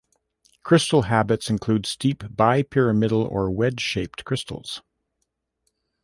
Crystal habits include steep bipyramidal or wedge-shaped crystals.